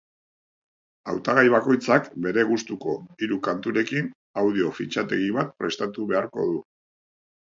Hautagai bakoitzak bere gustuko hiru kanturekin audio fitxategi bat prestatu beharko du.